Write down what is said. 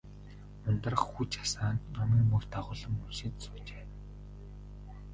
Ундрах хүж асаан, номын мөр дагуулан уншиж суужээ.